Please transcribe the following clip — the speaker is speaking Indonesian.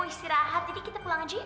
aku selalu perkenalkan ga magis